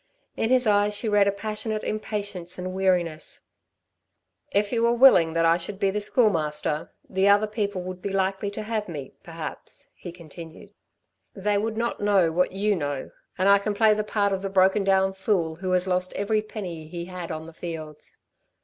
In his eyes she read a passionate impatience and weariness. "If you were willing that I should be the Schoolmaster, the other people would be likely to have me, perhaps," he continued. "They would not know what you know, and I can play the part of the broken down fool who has lost every penny he had on the fields."